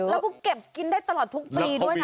แล้วก็เก็บกินได้ตลอดทุกปีด้วยนะ